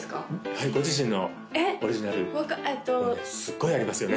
はいご自身のオリジナルえっすっごいありますよね